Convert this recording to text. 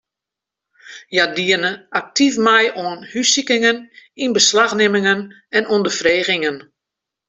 Hja diene aktyf mei oan hússikingen, ynbeslachnimmingen en ûnderfregingen.